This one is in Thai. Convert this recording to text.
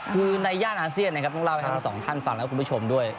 คือในย่านอาเซียนนะครับต้องเล่าให้ทั้งสองท่านฟังและคุณผู้ชมด้วย